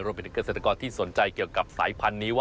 ไปถึงเกษตรกรที่สนใจเกี่ยวกับสายพันธุ์นี้ว่า